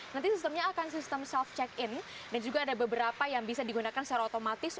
nanti sistemnya akan sistem self check in dan juga ada beberapa yang bisa digunakan secara otomatis